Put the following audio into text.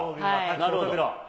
なるほど。